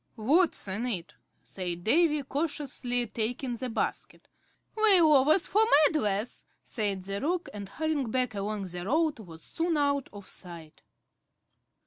"What's in it?" said Davy, cautiously taking the basket. "Lay overs for meddlers," said the Roc, and, hurrying back along the road, was soon out of sight.